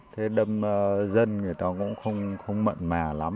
thế đâm dân người ta cũng không mận mà lắm